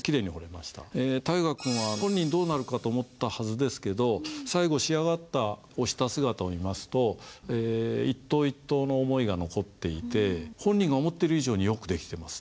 大河君は本人どうなるかと思ったはずですけど最後仕上がった押した姿を見ますと一刀一刀の思いが残っていて本人が思ってる以上によく出来てますね。